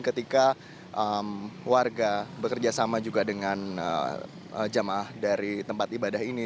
ketika warga bekerja sama juga dengan jamaah dari tempat ibadah ini